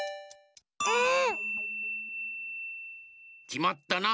きまったな。